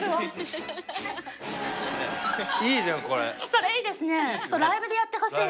それいいですね。